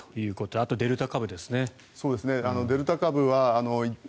あとデルタ株ですね。